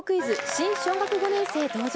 新小学５年生登場。